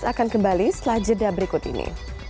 akan kembali selanjutnya berikut ini